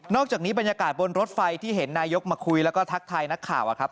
อกจากนี้บรรยากาศบนรถไฟที่เห็นนายกมาคุยแล้วก็ทักทายนักข่าวครับ